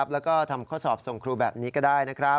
แล้วก็ทำข้อสอบส่งครูแบบนี้ก็ได้นะครับ